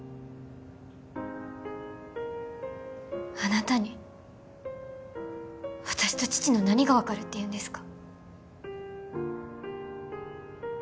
あなたに私と父の何が分かるっていうんですか？